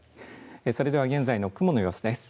それでは現在の雲の様子です。